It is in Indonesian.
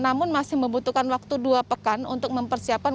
namun masih membutuhkan waktu dua pekan untuk mempersiapkan